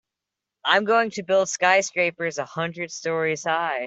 I'm going to build skyscrapers a hundred stories high.